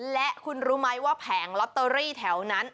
และคุณรู้ไหมว่าแผงลอตเตอรี่แถวนั้น